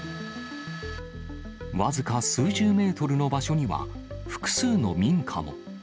僅か数十メートルの場所には複数の民家も。